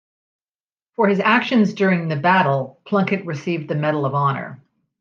For his actions during the battle Plunkett received the Medal of Honor.